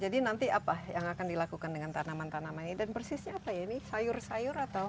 jadi nanti apa yang akan dilakukan dengan tanaman tanaman ini dan persisnya apa ya ini sayur sayur atau